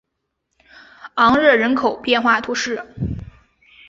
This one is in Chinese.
昂热人口变化图示